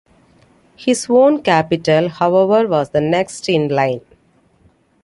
His own capital, however, was the next in line.